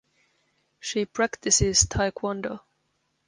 She practices taekwondo.